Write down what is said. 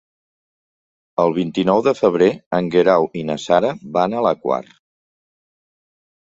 El vint-i-nou de febrer en Guerau i na Sara van a la Quar.